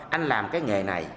anh làm cái nghề này